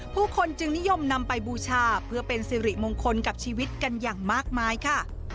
ผู้คนจึงนิยมนำไปบูชาเพื่อเป็นสิริมงคลกับชีวิตกันอย่างมากมายค่ะ